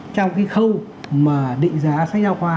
trong cái khâu mà định giá sách giáo khoa